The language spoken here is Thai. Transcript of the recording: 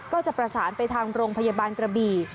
ก็จะประสานไปทางโรงพยาบาลกระบี่